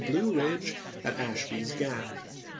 Blue Ridge at Ashby's Gap.